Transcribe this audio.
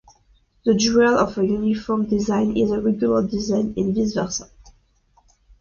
The dual of a uniform design is a regular design and vice versa.